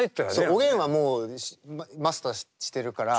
おげんはもうマスターしてるから。